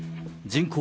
人口